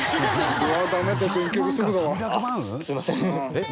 すいません。